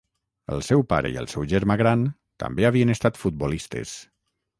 El seu pare i el seu germà gran també havien estat futbolistes.